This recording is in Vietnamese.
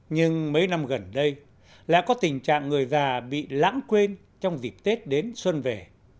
nhưng mấy năm gần đây lại có tình trạng người già bị lãng quên trong dịp tết đến xuân về